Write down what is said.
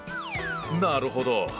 なるほど。